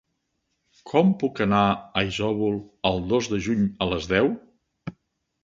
Com puc anar a Isòvol el dos de juny a les deu?